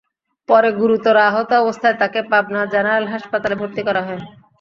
পরে গুরুতর আহত অবস্থায় তাঁকে পাবনা জেনারেল হাসপাতালে ভর্তি করা হয়।